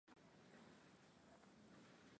jua tu matangazo haya unayapata popote kupitia wavuti